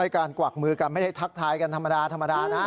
การกวักมือกันไม่ได้ทักทายกันธรรมดานะ